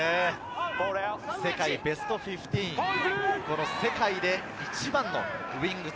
世界ベストフィフティーン、世界で一番のウイング。